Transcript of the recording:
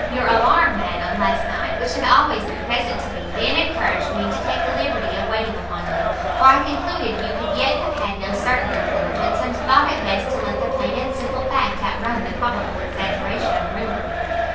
Your alarm, madam, last night, which had always been present to me, then encouraged me to take the liberty of waiting upon you; for I concluded you could yet have had no certain intelligence, and thought it best to let the plain and simple fact out run the probable exaggeration of rumour."